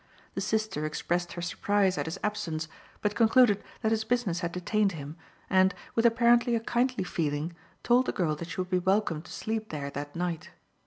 The "sister" expressed her surprise at his absence, but concluded that his business had detained him, and, with apparently a kindly feeling, told the girl that she would be welcome to sleep there that night.